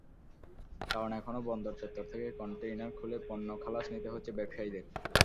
কারণ, এখনো বন্দর চত্বর থেকে কনটেইনার খুলে পণ্য খালাস নিতে হচ্ছে ব্যবসায়ীদের।